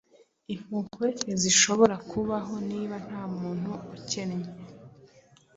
Impuhwe ntizishobora kubaho, Niba nta muntu ukennye,